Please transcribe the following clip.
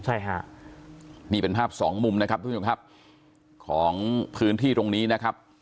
ใช่ฮะนี่เป็นภาพสองมุมนะครับทุกผู้ชมครับของพื้นที่ตรงนี้นะครับ